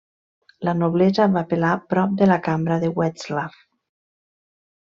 La noblesa va apel·lar prop de la Cambra de Wetzlar.